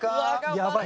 やばいな。